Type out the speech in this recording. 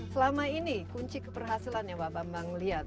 selama ini kunci keberhasilan yang bapak bang lihat